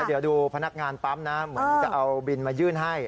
เดี๋ยวดูพนักงานปั๊มนะเหมือนจะเอาบินมายื่นให้